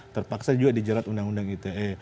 terpaksa juga dijerat undang undang ite